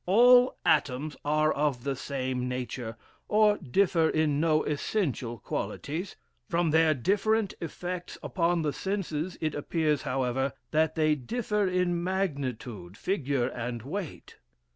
All atoms are of the same nature, or differ in no essential qualities From their different effects upon the senses, it appears, however, that they differ in magnitude, figure, and weight.